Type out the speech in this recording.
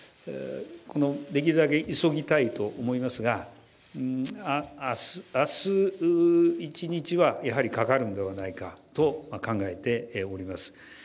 できるだけ急ぎたいと思いますが明日一日はやはりかかるのではないかと考えております。